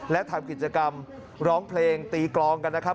และทำกิจกรรมร้องเพลงตีกรองกันนะครับ